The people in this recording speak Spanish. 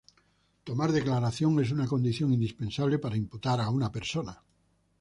Tomar declaración es una condición indispensable para imputar a una persona.